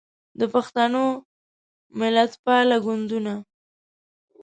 د پښتنو ملتپاله ګوندونه